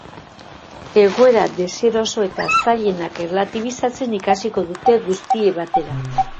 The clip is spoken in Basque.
Egoera deseroso eta zailenak erlatibizatzen ikasiko dute guztiek batera.